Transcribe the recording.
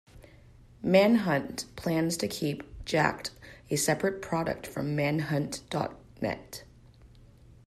Manhunt plans to keep Jack'd a separate product from Manhunt dot net.